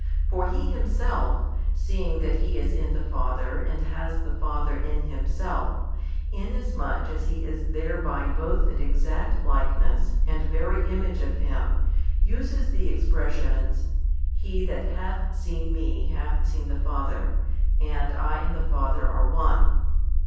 For He Himself, seeing that He is in the Father |283 and has the Father in Himself, inasmuch as He is thereby both an Exact Likeness and Very Image of Him, uses the expressions: He that hath seen Me hath seen the Father: I and the Father are One.